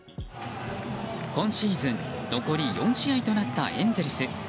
今シーズン残り４試合となったエンゼルス。